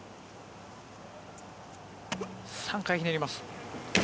３回ひねります。